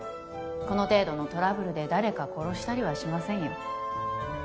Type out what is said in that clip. この程度のトラブルで誰か殺したりはしませんよ